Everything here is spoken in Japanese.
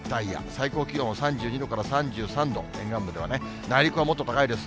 最高気温３２度から３３度、沿岸部ではね、内陸はもっと高いです。